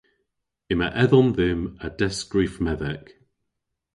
Yma edhom dhymm a testskrif medhek.